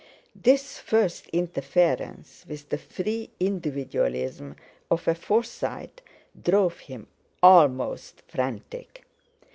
This first interference with the free individualism of a Forsyte drove him almost frantic.